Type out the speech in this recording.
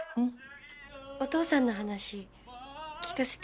お父さんの話聞かせて。